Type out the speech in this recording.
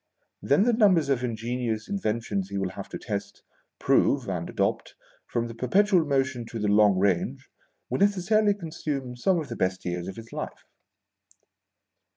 Then the numbers of ingenious inventions he will have to test, prove, and adopt, from the perpetual motion to the long range, will necessarily consume some of the best years of his life.